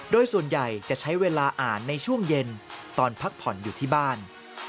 โดยส่วนใหญ่จะใช้เวลาอ่านในช่วงเย็นตอนพักผ่อนอยู่ที่บ้าน